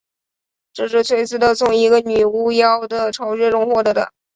这是崔斯特从一个女巫妖的巢穴中夺得的。